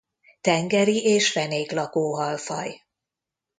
Tengeri és fenéklakó halfaj.